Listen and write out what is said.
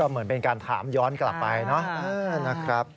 เหมือนเป็นการถามย้อนกลับไปนะครับ